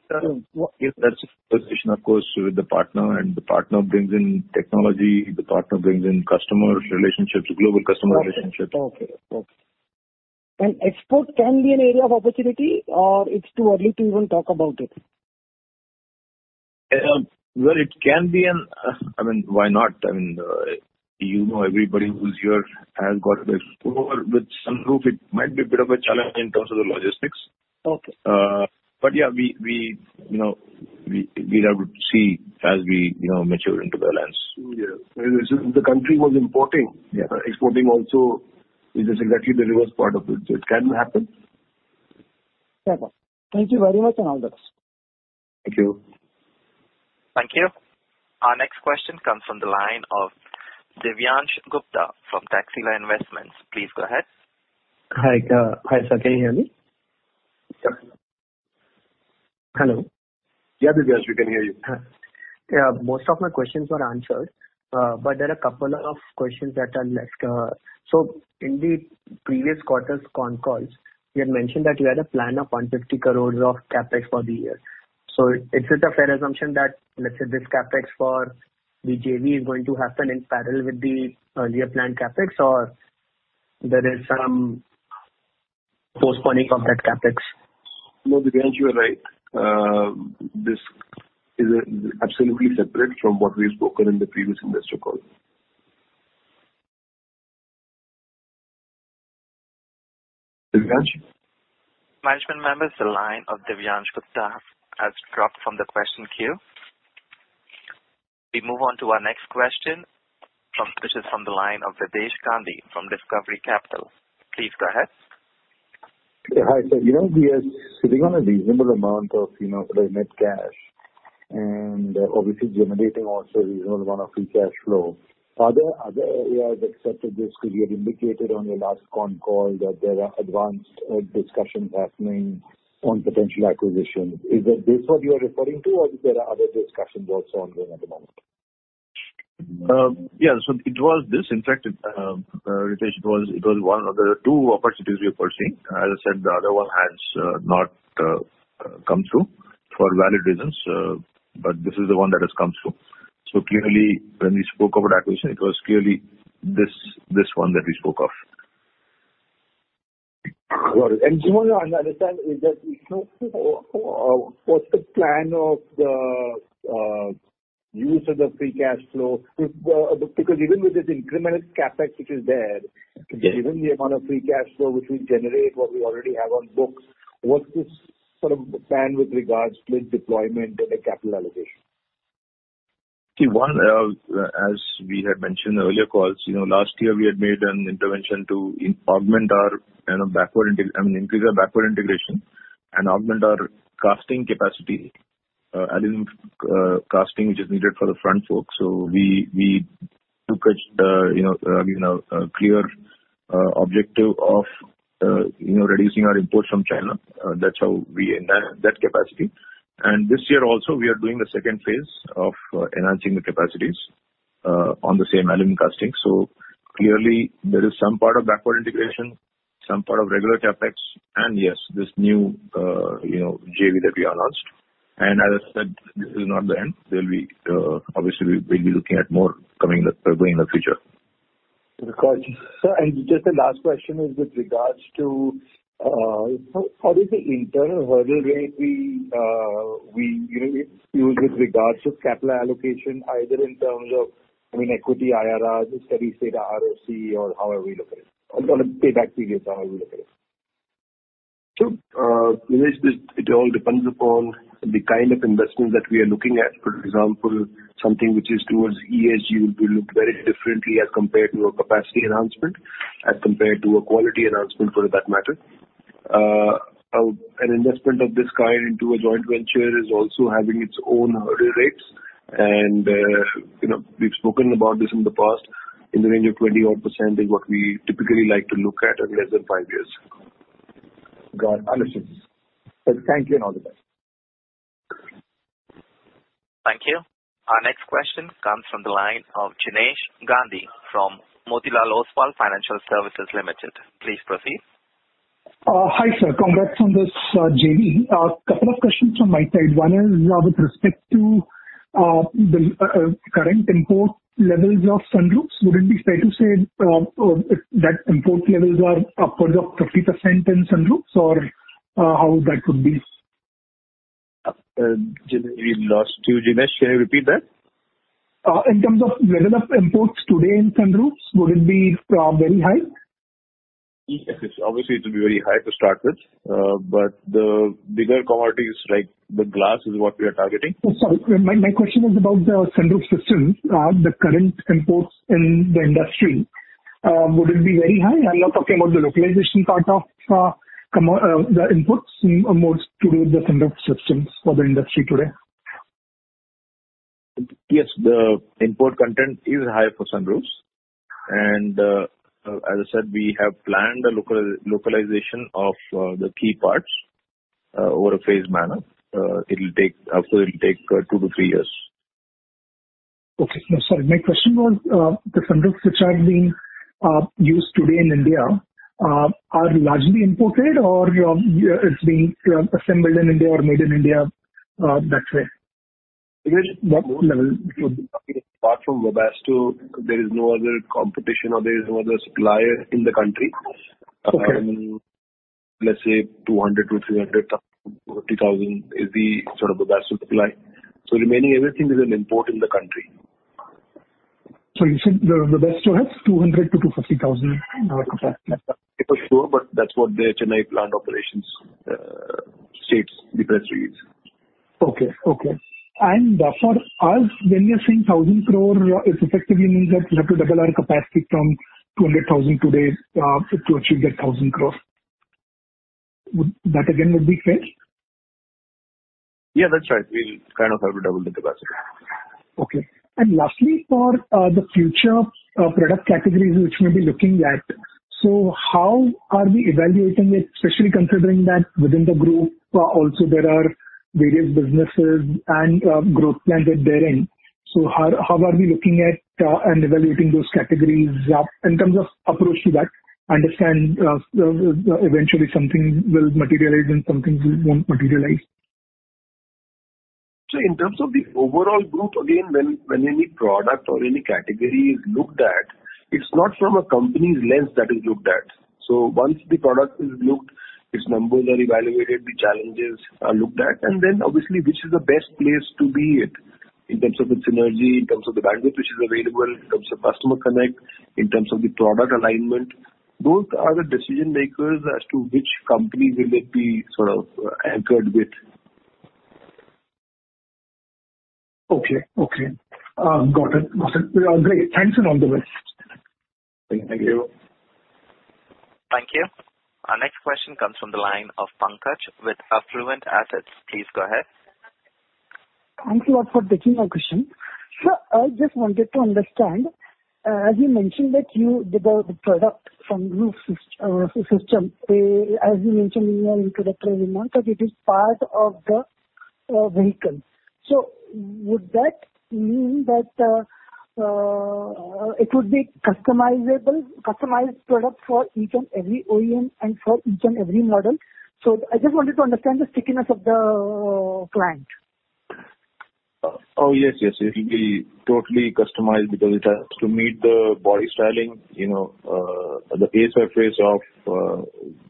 Yes, that's a position, of course, with the partner, and the partner brings in technology. The partner brings in customer relationships, global customer relationships. Okay. Okay. Export can be an area of opportunity, or it's too early to even talk about it? Well, it can be. I mean, why not? I mean, you know, everybody who's here has got an export with some group. It might be a bit of a challenge in terms of the logistics. Okay. But, yeah, we, you know, we'll have to see as we, you know, mature into the lands. Yes. If the country was importing- Yeah. Exporting also is exactly the reverse part of it. So it can happen. Fair enough. Thank you very much, and all the best. Thank you. Thank you. Our next question comes from the line of Divyansh Gupta from Taxila Investments. Please go ahead. Hi, hi, sir. Can you hear me? Yes. Hello? Yeah, Divyansh, we can hear you. Yeah, most of my questions were answered, but there are a couple of questions that are left. So in the previous quarter's con calls, you had mentioned that you had a plan of 150 crore of CapEx for the year. So is it a fair assumption that, let's say, this CapEx for the JV is going to happen in parallel with the earlier planned CapEx, or there is some postponing of that CapEx? No, Divyansh, you are right. This is absolutely separate from what we've spoken in the previous investor call. Divyansh? Management members, the line of Divyansh Gupta has dropped from the question queue. We move on to our next question from... This is from the line of Riddesh Gandhi from Discovery Capital. Please go ahead. Hi, sir. You know, we are sitting on a reasonable amount of, you know, net cash, and obviously generating also reasonable amount of free cash flow. Are there other areas except for this, because you had indicated on your last con call that there are advanced discussions happening on potential acquisition. Is it this what you are referring to, or is there are other discussions also ongoing at the moment? Yeah, so it was this. In fact, Ritesh, it was one of the two opportunities we are pursuing. As I said, the other one has not come through for valid reasons, but this is the one that has come through. So clearly, when we spoke about acquisition, it was clearly this one that we spoke of. Got it. And Manoj, I understand is that, you know, what's the plan of the use of the free cash flow? Because even with this incremental CapEx, which is there- Yes. Given the amount of free cash flow, which we generate, what we already have on books, what's this sort of plan with regards to its deployment and the capital allocation? See, one, as we had mentioned in earlier calls, you know, last year we had made an intervention to augment our kind of backward—I mean, increase our backward integration and augment our casting capacity, aluminum casting, which is needed for the front forks. So we took it, you know, you know, a clear objective of, you know, reducing our imports from China. That's how we end up in that capacity. And this year also, we are doing the second phase of enhancing the capacities on the same aluminum casting. So clearly there is some part of backward integration, some part of regular CapEx, and yes, this new, you know, JV that we announced. And as I said, this is not the end. There'll be, obviously, we will be looking at more coming in the future. Of course. Sir, and just the last question is with regards to how is the internal hurdle rate we you know use with regards to capital allocation, either in terms of, I mean, equity, IRR, steady state, ROC, or how are we looking at it? Or kind of payback period, how are we looking at it? So, Ritesh, this, it all depends upon the kind of investment that we are looking at. For example, something which is towards ESG will look very differently as compared to a capacity enhancement, as compared to a quality enhancement, for that matter. An investment of this kind into a joint venture is also having its own hurdle rates, and, you know, we've spoken about this in the past. In the range of 20-odd% is what we typically like to look at in less than five years. Got it. Understood. So thank you, and all the best. Thank you. Our next question comes from the line of Jinesh Gandhi from Motilal Oswal Financial Services Limited. Please proceed. Hi, sir. Congrats on this JV. Couple of questions from my side. One is, with respect to the current import levels of sunroofs, would it be fair to say that import levels are upwards of 50% in sunroofs or how that would be? We lost you, Jinesh. Can you repeat that? In terms of level of imports today in sunroofs, would it be very high? Yes, yes. Obviously, it will be very high to start with, but the bigger commodities, like the glass, is what we are targeting. Oh, sorry. My, my question was about the sunroof system. The current imports in the industry, would it be very high? I'm not talking about the localization part of, the imports, more to do with the sunroof systems for the industry today. Yes, the import content is high for sunroofs, and, as I said, we have planned a localization of the key parts over a phased manner. It'll take 2-3 years. Okay. No, sorry. My question was, the sunroofs which are being used today in India, are largely imported or, it's being assembled in India or made in India, that way? Apart from Webasto, there is no other competition or there is no other supplier in the country. Okay. Let's say 200-300 thousand is the sort of Webasto supply. So remaining everything is an import in the country. So you said the Webasto has 200,000-250,000 in our country? For sure, but that's what the Chennai plant operations states the press release. Okay. Okay. For us, when you're saying 1,000 crore, it effectively means that we have to double our capacity from 200,000 today to achieve that 1,000 crore. Would that again be correct? Yeah, that's right. We'll kind of have to double the capacity. Okay. Lastly, for the future product categories which we may be looking at, so how are we evaluating it, especially considering that within the group also there are various businesses and growth plans that they're in? So how are we looking at and evaluating those categories in terms of approach to that? I understand, eventually something will materialize and some things won't materialize. So in terms of the overall group, again, when any product or any category is looked at, it's not from a company's lens that is looked at. So once the product is looked, its numbers are evaluated, the challenges are looked at, and then obviously, which is the best place to be at in terms of the synergy, in terms of the bandwidth which is available, in terms of customer connect, in terms of the product alignment. Those are the decision makers as to which company will it be sort of anchored with. Okay. Okay, got it. Awesome. Great! Thanks, and all the best. Thank you. Thank you. Our next question comes from the line of Pankaj with Affluent Assets. Please go ahead. Thank you all for taking my question. Sir, I just wanted to understand, you mentioned that you developed the product from roof system. As you mentioned in your introductory remarks, that it is part of the vehicle. So would that mean that it would be customizable, customized product for each and every OEM and for each and every model? So I just wanted to understand the stickiness of the client. Yes, yes, it will be totally customized because it has to meet the body styling, you know, the base surface of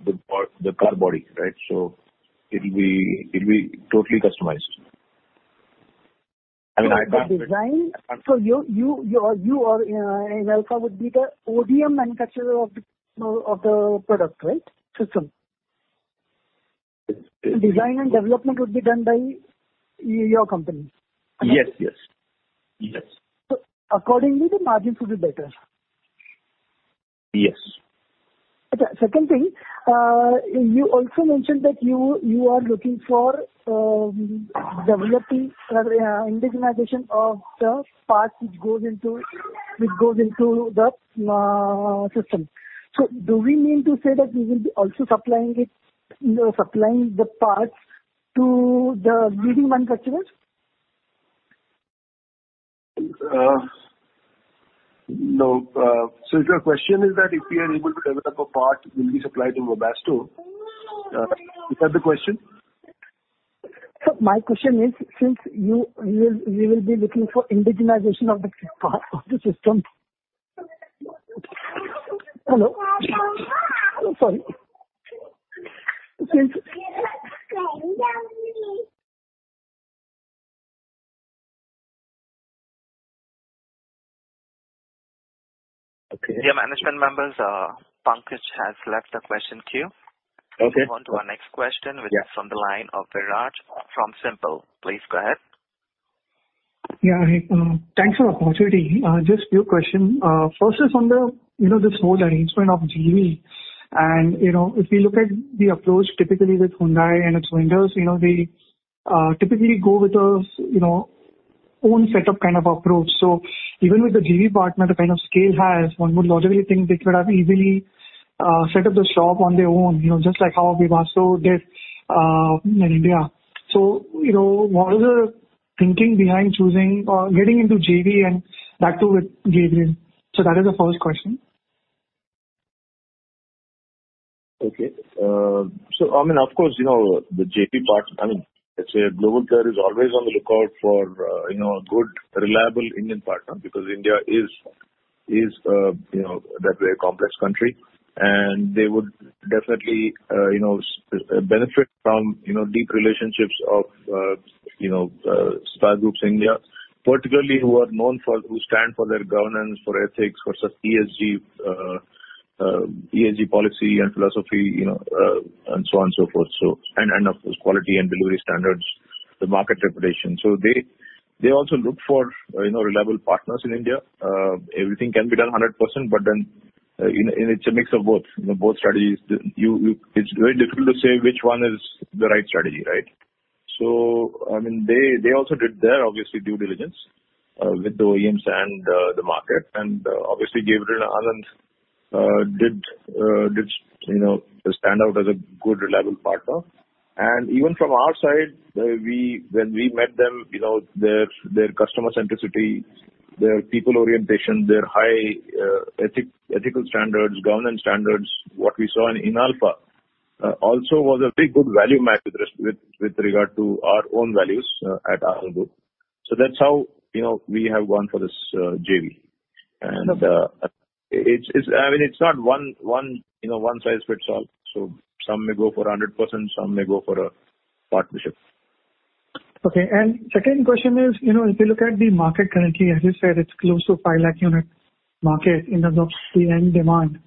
the car body, right? So it'll be, it'll be totally customized. And at that- The design, so you are, Inalfa would be the ODM manufacturer of the product, right? System. It- it- Design and development would be done by your company? Yes, yes. Yes. So accordingly, the margins will be better? Yes. Okay. Second thing, you also mentioned that you are looking for developing indigenization of the parts which goes into the system. So do we mean to say that we will be also supplying the parts to the leading manufacturers? No. So your question is that if we are able to develop a part, it will be supplied to Webasto? Is that the question? Sir, my question is, since you will be looking for indigenization of the part of the system. Hello? Sorry. Okay, dear management members, Pankaj has left the question queue. Okay. Move on to our next question. Yeah. Which is from the line of Viraj from SiMPL. Please go ahead. Yeah, hi. Thanks for the opportunity. Just few question. First is on the, you know, this whole arrangement of JV. And, you know, if you look at the approach typically with Hyundai and its vendors, you know, they typically go with a, you know, own setup kind of approach. So even with the JV partner, the kind of scale has, one would logically think they could have easily set up the shop on their own, you know, just like how Webasto did in India. So, you know, what is the thinking behind choosing or getting into JV and that too with Gabriel. So that is the first question. Okay, so I mean, of course, you know, the JV part, I mean, let's say Gabriel is always on the lookout for, you know, a good, reliable Indian partner, because India is, you know, a very complex country, and they would definitely, you know, benefit from, you know, deep relationships of, you know, Anand Group in India, particularly who are known for, who stand for their governance, for ethics, for ESG, ESG policy and philosophy, you know, and so on and so forth. So, and of course, quality and delivery standards, the market reputation. So they also look for, you know, reliable partners in India. Everything can be done 100%, but then, you know, and it's a mix of both, you know, both strategies. You, you... It's very difficult to say which one is the right strategy, right? So I mean, they also did their obviously due diligence with the OEMs and the market, and obviously, Gabriel and Anand did you know stand out as a good, reliable partner. And even from our side, we when we met them, you know, their their customer centricity, their people orientation, their high ethical standards, governance standards, what we saw in Inalfa also was a very good value match with regard to our own values at our group. So that's how, you know, we have gone for this JV. And it's I mean, it's not one you know one size fits all. So some may go for 100%, some may go for a partnership. Okay. Second question is, you know, if you look at the market currently, as you said, it's close to 5 lakh-unit market in terms of the end demand.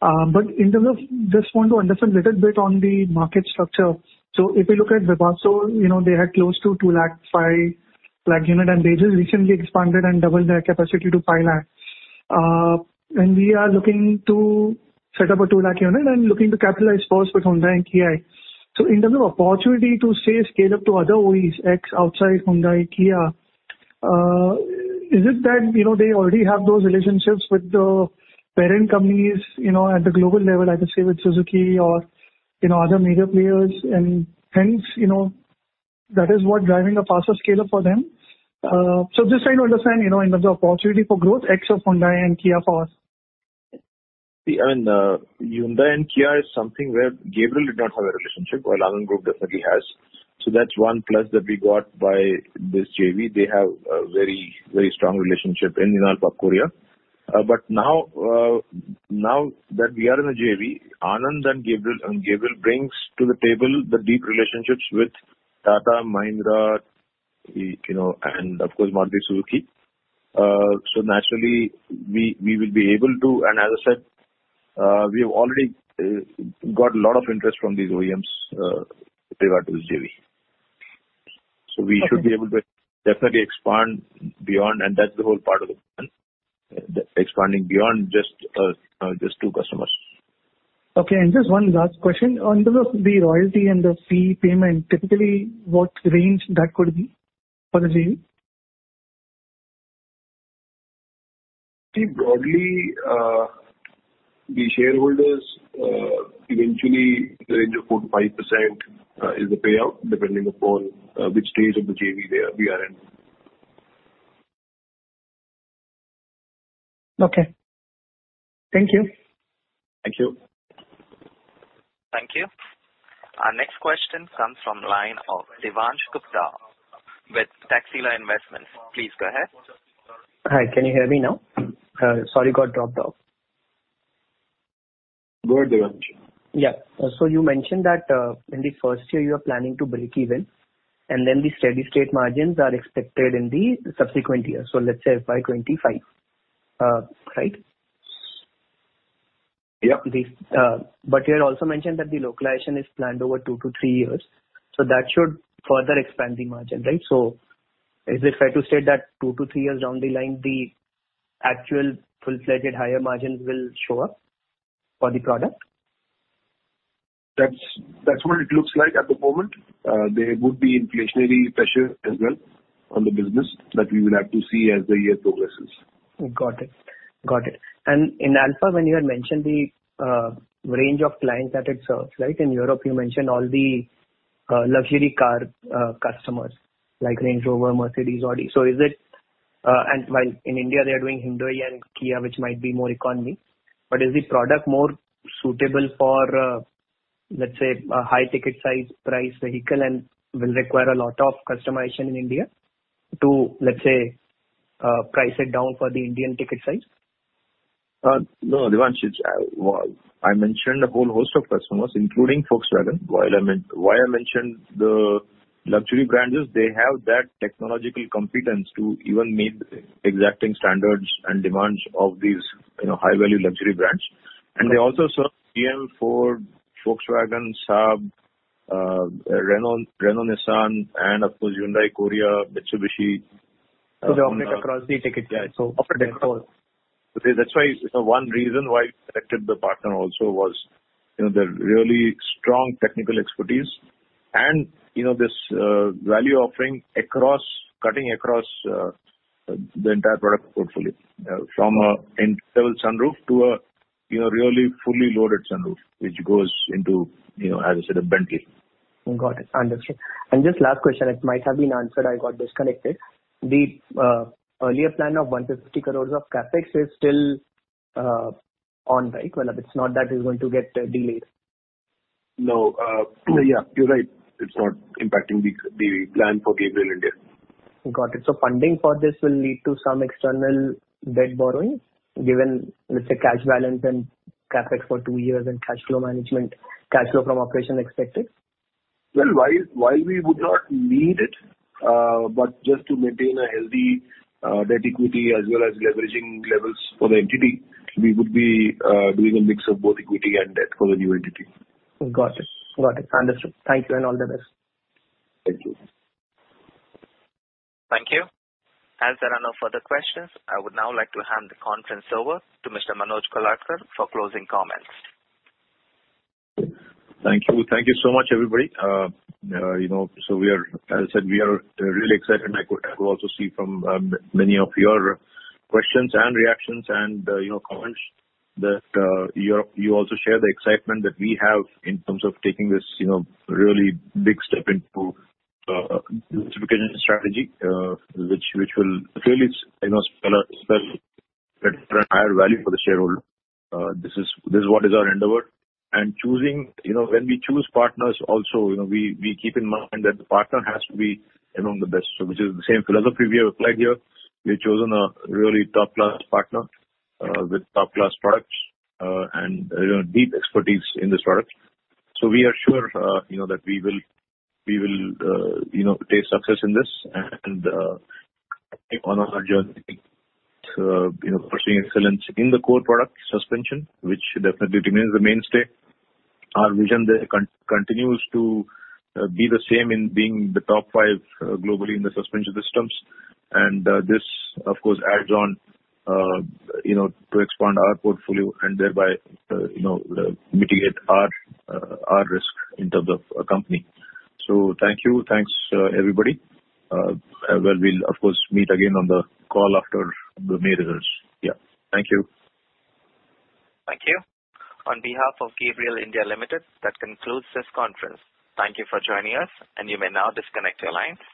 But in terms of, just want to understand little bit on the market structure. So if you look at Webasto, you know, they had close to 2 lakh-5 lakh unit, and they just recently expanded and doubled their capacity to 5 lakh. And we are looking to set up a 2 lakh unit and looking to capitalize first with Hyundai and Kia. So in terms of opportunity to say scale up to other OEs, ex-outside Hyundai, Kia, is it that, you know, they already have those relationships with the parent companies, you know, at the global level, I would say with Suzuki or, you know, other major players, and hence, you know, that is what driving a faster scale up for them? So just trying to understand, you know, in terms of opportunity for growth, ex of Hyundai and Kia for us. I mean, Hyundai and Kia is something where Gabriel did not have a relationship, while Anand Group definitely has. So that's one plus that we got by this JV. They have a very, very strong relationship in Inalfa, Korea. But now that we are in a JV, Anand and Gabriel, and Gabriel brings to the table the deep relationships with Tata, Mahindra, you know, and of course, Maruti Suzuki. So naturally, we will be able to... And as I said, we have already got a lot of interest from these OEMs regard to this JV. Okay. So we should be able to definitely expand beyond, and that's the whole part of the plan, expanding beyond just two customers. Okay, and just one last question. On terms of the royalty and the fee payment, typically, what range that could be for the JV? See, broadly, the shareholders, eventual range of 4%-5% is the payout, depending upon which stage of the JV they are, we are in. Okay. Thank you. Thank you. Thank you. Our next question comes from line of Devansh Gupta with Taxila Investments. Please go ahead. Hi, can you hear me now? Sorry, got dropped off. Go ahead, Devansh. Yeah. So you mentioned that, in the first year, you are planning to break even, and then the steady state margins are expected in the subsequent years. So let's say by 2025, right? Yep. But you had also mentioned that the localization is planned over two to three years, so that should further expand the margin, right? So is it fair to say that two to three years down the line, the actual full-fledged higher margins will show up for the product? That's, that's what it looks like at the moment. There would be inflationary pressure as well on the business, but we will have to see as the year progresses. Got it. Got it. And in Inalfa, when you had mentioned the, range of clients that it serves, right? In Europe, you mentioned all the, luxury car, customers, like Range Rover, Mercedes, Audi. So is it, and while in India, they are doing Hyundai and Kia, which might be more economy, but is the product more suitable for, let's say, a high ticket size, price, vehicle, and will require a lot of customization in India to, let's say, price it down for the Indian ticket size? No, Devansh, it's well, I mentioned a whole host of customers, including Volkswagen. While I meant... Why I mentioned the luxury brands is they have that technological competence to even meet the exacting standards and demands of these, you know, high-value luxury brands. Okay. They also serve GM, Ford, Volkswagen, Saab, Renault, Renault-Nissan, and of course, Hyundai, Korea, Mitsubishi. They operate across the ticket size- Yeah. So up and down. That's why, one reason why we selected the partner also was, you know, the really strong technical expertise and, you know, this value offering across, cutting across the entire product portfolio, from an internal sunroof to a, you know, really fully loaded sunroof, which goes into, you know, as I said, a Bentley. Got it. Understood. Just last question, it might have been answered, I got disconnected. The earlier plan of 150 crore of CapEx is still on, right? Well, it's not that it's going to get delayed. No, yeah, you're right. It's not impacting the plan for Gabriel India. Got it. So funding for this will lead to some external debt borrowing, given, let's say, cash balance and CapEx for two years and cash flow management, cash flow from operation expected? Well, while we would not need it, but just to maintain a healthy debt-equity as well as leverage levels for the entity, we would be doing a mix of both equity and debt for the new entity. Got it. Got it. Understood. Thank you, and all the best. Thank you. Thank you. As there are no further questions, I would now like to hand the conference over to Mr. Manoj Kolhatkar for closing comments. Thank you. Thank you so much, everybody. You know, so we are, as I said, we are really excited. I could also see from many of your questions and reactions and, you know, comments that you're you also share the excitement that we have in terms of taking this, you know, really big step into diversification strategy, which, which will really, you know, spell, spell a higher value for the shareholder. This is, this is what is our endeavor. Choosing, you know, when we choose partners also, you know, we, we keep in mind that the partner has to be among the best. Which is the same philosophy we have applied here. We've chosen a really top-class partner with top-class products and, you know, deep expertise in this product. So we are sure, you know, that we will, we will, you know, taste success in this and, on our journey to, you know, pursuing excellence in the core product suspension, which definitely remains the mainstay. Our vision there continues to, be the same in being the top five, globally in the suspension systems. And, this, of course, adds on, you know, to expand our portfolio and thereby, you know, mitigate our, our risk in terms of a company. So thank you. Thanks, everybody. Well, we'll of course, meet again on the call after the May results. Yeah. Thank you. Thank you. On behalf of Gabriel India Limited, that concludes this conference. Thank you for joining us, and you may now disconnect your line.